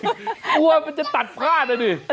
กลัวมันจะตัดพแล้วดิ